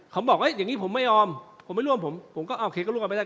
เขาบอกเอ้ยอย่างงี้ผมไม่ออมผมไม่ร่วมผมผมก็อ่าโอเคก็ร่วมไปได้